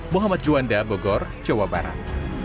mohamad juwanda bogor jawa barat